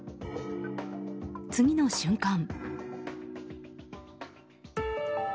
次の瞬間。